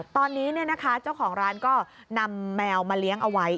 ตอนนี้เจ้าของร้านก็นำแมวมาเลี้ยงเอาไว้